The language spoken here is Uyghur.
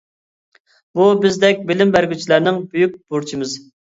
بۇ بىزدەك بىلىم بەرگۈچىلەرنىڭ بۈيۈك بۇرچىمىز.